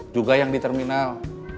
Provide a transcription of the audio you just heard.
juga yang di terminal